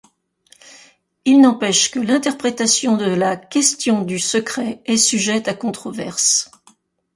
Il n'empêche que l'interprétation de la question du secret est sujet à controverses.